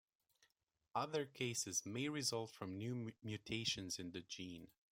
Other cases may result from new mutations in the gene.